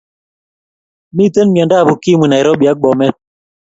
Miten miandab ukimwi nairobi ak Bomet